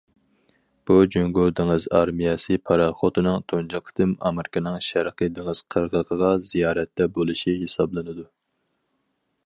بۇ، جۇڭگو دېڭىز ئارمىيەسى پاراخوتىنىڭ تۇنجى قېتىم ئامېرىكىنىڭ شەرقىي دېڭىز قىرغىقىدا زىيارەتتە بولۇشى ھېسابلىنىدۇ.